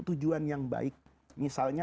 tujuan yang baik misalnya